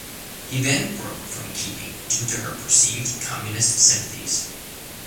He then broke from Keating due to her perceived communist sympathies.